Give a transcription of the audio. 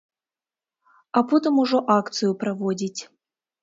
А потым ужо акцыю праводзіць.